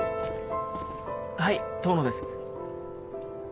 はい遠野です。